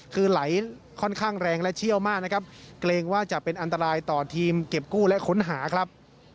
คือไหลค่อนข้างแรงและเชี่ยวมากนะครับเกรงว่าจะเป็นอันตรายต่อทีมเก็บกู้และค้นหาครับ